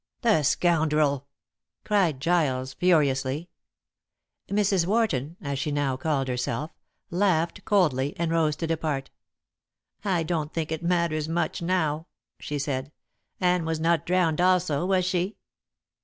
"The scoundrel!" cried Giles furiously. Mrs. Wharton as she now called herself laughed coldly and rose to depart. "I don't think it matters much now," she said. "Anne was not drowned also, was she?"